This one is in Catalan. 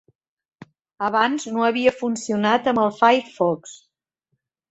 Abans no havia funcionat amb el Firefox.